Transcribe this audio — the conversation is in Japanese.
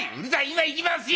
今行きますよ！